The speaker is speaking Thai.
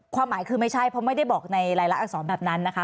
ความหมายคือไม่ใช่เพราะไม่ได้บอกในรายละอักษรแบบนั้นนะคะ